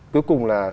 cuối cùng là